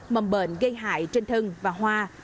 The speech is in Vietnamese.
mầm bệnh gây hại trên thân và hoa